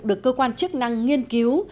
được cơ quan chức năng nghiên cứu